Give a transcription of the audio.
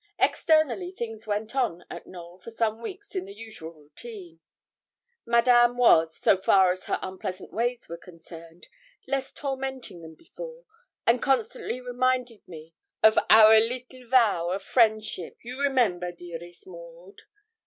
Externally things went on at Knowl for some weeks in the usual routine. Madame was, so far as her unpleasant ways were concerned, less tormenting than before, and constantly reminded me of 'our leetle vow of friendship, you remember, dearest Maud!'